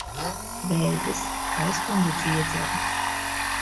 Vēzis. Aizkuņģa dziedzera.